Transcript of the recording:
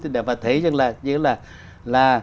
để mà thấy chứ là